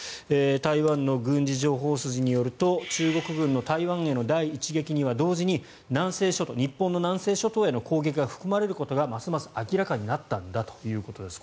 台湾の軍事情報筋によると中国軍の台湾への第一撃には同時に日本の南西諸島への攻撃が含まれることがますます明らかになったんだということです。